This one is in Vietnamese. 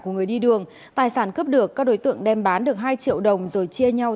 của người đi đường tài sản cướp được các đối tượng đem bán được hai triệu đồng rồi chia nhau